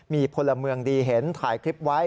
มีพลเมืองดีเห็นถ่ายคลิปไว้